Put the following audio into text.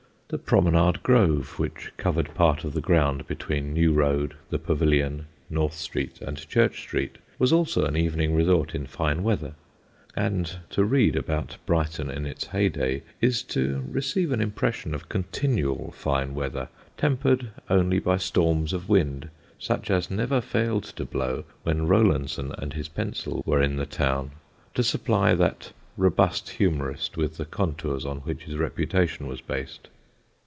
The Promenade Grove, which covered part of the ground between New Road, the Pavilion, North Street and Church Street, was also an evening resort in fine weather (and to read about Brighton in its heyday is to receive an impression of continual fine weather, tempered only by storms of wind, such as never failed to blow when Rowlandson and his pencil were in the town, to supply that robust humorist with the contours on which his reputation was based).